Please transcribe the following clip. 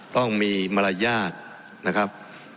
ต้องมีมารยาทนะครับ